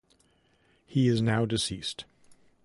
He is now deceased.